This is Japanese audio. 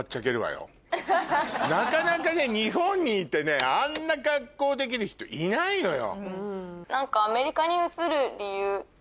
なかなかね日本にいてねあんな格好できる人いないのよ。